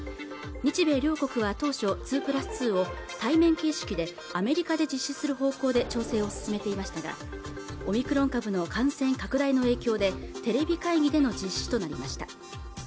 日米両国は当初２＋２を対面形式でアメリカで実施する方向で調整を進めていましたがオミクロン株の感染拡大の影響でテレビ会議での実施となりました